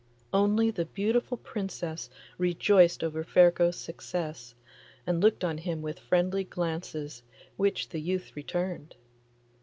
Only the beautiful Princess rejoiced over Ferko's success, and looked on him with friendly glances, which the youth returned.